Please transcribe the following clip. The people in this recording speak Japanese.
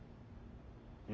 何？